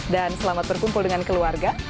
dan selamat berkumpul dengan keluarga